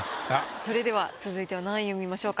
それでは続いては何位を見ましょうか？